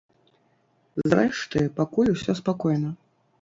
Зрэшты, пакуль усё спакойна.